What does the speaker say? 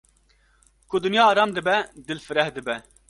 ku dinya aram dibe dil fireh dibe.